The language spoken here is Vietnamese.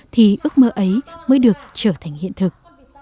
thì ước mơ ấy mới được trở thành hiện thực